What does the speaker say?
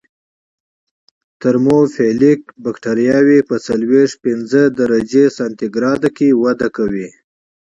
ترموفیلیک بکټریاوې په څلویښت پنځه درجې سانتي ګراد کې وده کوي.